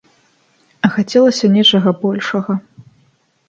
А хацелася нечага большага.